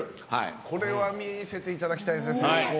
これは見せていただきたいですね。